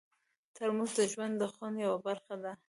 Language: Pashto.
ترموز د ژوند د خوند یوه برخه ده.